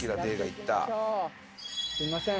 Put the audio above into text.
すいません。